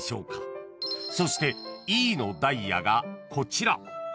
［そしてＥのダイヤがこちら］